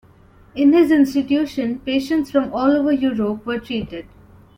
In his institution patients from all over Europe were treated.